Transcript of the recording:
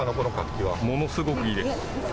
ものすごくいいです。